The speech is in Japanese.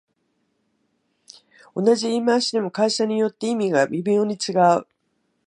同じ言い回しでも会社によって意味が微妙に違う